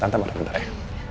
tante mari bentar ya